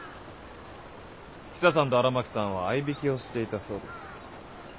ヒサさんと荒巻さんはあいびきをしていたそうです。